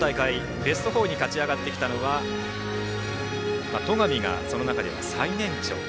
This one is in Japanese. ベスト４に勝ち上がってきたのは戸上がその中では最年長。